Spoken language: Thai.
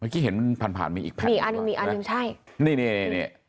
เมื่อกี้เห็นผ่านผ่านมีอีกมีอันมีอันหนึ่งใช่นี่นี่นี่